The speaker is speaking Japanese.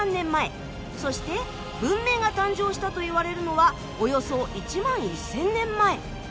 そして文明が誕生したといわれるのはおよそ１万１，０００年前。